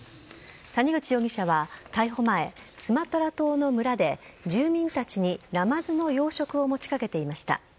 谷口容疑者は逮捕前スマトラ島の村で住民たちにナマズの養殖を持ちかけていました。